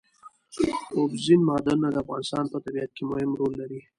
اوبزین معدنونه د افغانستان په طبیعت کې مهم رول لري.